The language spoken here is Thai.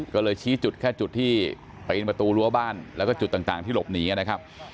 ก็เลยชี้จุดแค่จุดที่ปีนประตูรั้วบ้านแล้วก็จุดต่างที่หลบหนีนะครับ